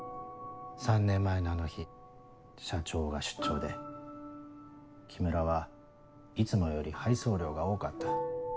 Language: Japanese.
３年前のあの日社長が出張で木村はいつもより配送量が多かった。